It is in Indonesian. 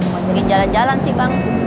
mau jadi jalan jalan sih bang